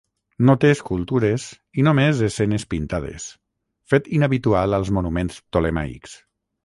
No té escultures i només escenes pintades, fet inhabitual als monuments ptolemaics.